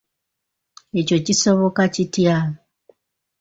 Ekyo kisoboka kitya?